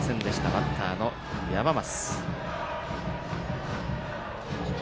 バッターの山増。